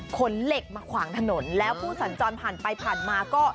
เหล็กมาขวางถนนแล้วผู้สัญจรผ่านไปผ่านมาก็